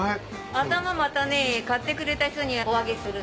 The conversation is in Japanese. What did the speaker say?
頭またね買ってくれた人におあげするの。